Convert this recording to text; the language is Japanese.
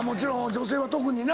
女性は特にな。